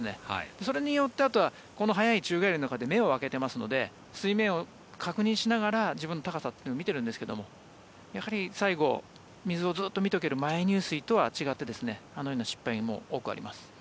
それによってあとはこの速い宙返りの中で目を開けてますので水面を確認しながら自分の高さというのを見てるんですがやはり、最後水をずっと見ておける前入水とは違ってあのような失敗は多くあります。